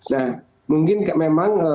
nah mungkin memang